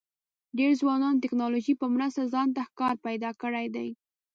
ډېری ځوانانو د ټیکنالوژۍ په مرسته ځان ته کار پیدا کړی دی.